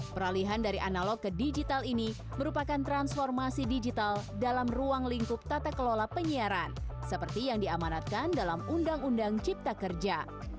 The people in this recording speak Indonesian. peralihan dari analog ke digital ini merupakan transformasi digital dalam ruang lingkup tata kelola penyiaran seperti yang diamanatkan dalam undang undang cipta kerja